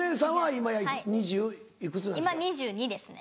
今２２歳ですね。